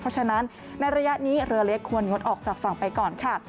เพราะฉะนั้นในระยะนี้เรือเล็กควรงดออกจากฝั่งไปก่อนค่ะ